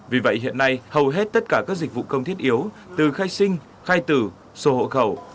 vì vậy hiện nay hầu hết tất cả các dịch vụ công thiết yếu từ khai sinh khai tử số hộ khẩu